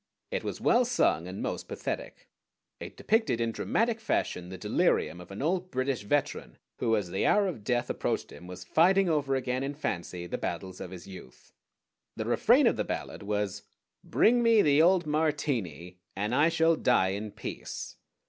It was well sung, and most pathetic. It depicted in dramatic fashion the delirium of an old British veteran, who, as the hour of death approached him, was fighting over again in fancy the battles of his youth. The refrain of the ballad was _Bring me the old Martini, and I shall die in peace!